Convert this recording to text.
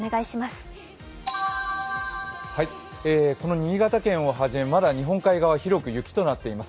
新潟県をはじめまだ日本海側は広く雪となっていま。